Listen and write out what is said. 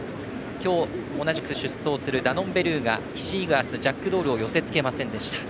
今日、同じく出走するダノンベルーガヒシイグアスジャックドールを寄せつけませんでした。